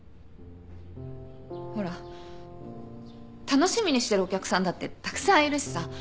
ほら楽しみにしてるお客さんだってたくさんいるしさ。